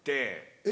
えっ？